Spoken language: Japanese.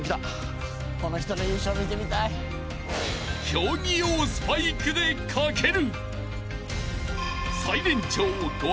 ［競技用スパイクで駆ける］